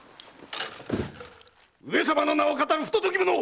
上様の名を騙る不届き者！